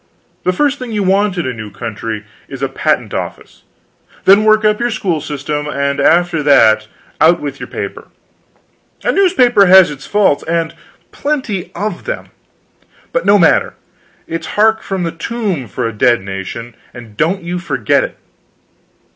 The first thing you want in a new country, is a patent office; then work up your school system; and after that, out with your paper. A newspaper has its faults, and plenty of them, but no matter, it's hark from the tomb for a dead nation, and don't you forget it.